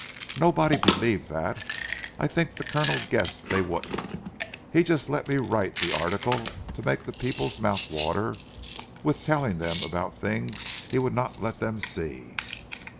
Nobody believed that. I think the Colonel guessed they wouldn't. He just let me write the article to make the people's mouths water with telling about things he would not let them see."